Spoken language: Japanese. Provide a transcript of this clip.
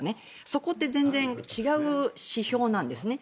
そこって全然違う指標なんですね。